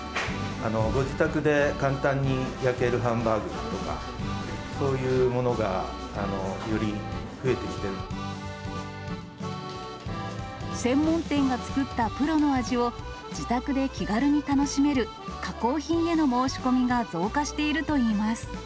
ご自宅で簡単に焼けるハンバーグとか、そういうものがより増えて専門店が作ったプロの味を、自宅で気軽に楽しめる加工品への申し込みが増加しているといいます。